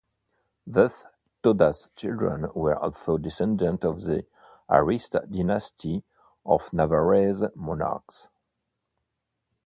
Thus, Toda's children were also descendants of the Arista dynasty of Navarrese monarchs.